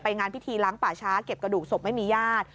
งานพิธีล้างป่าช้าเก็บกระดูกศพไม่มีญาติ